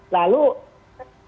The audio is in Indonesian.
lalu tanda petik